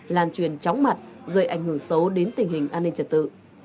lan truyền chóng mặt gây ảnh hưởng xấu đến tình hình an ninh trật tự